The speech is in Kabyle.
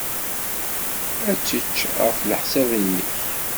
Ad tečč, ɣef leḥsab-nnek?